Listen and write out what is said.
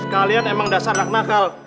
kalian emang dasar nakal